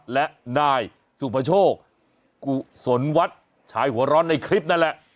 และนายสุภโชคกุศลวัฒน์ชายหัวร้อนในคลิปนั่นแหละ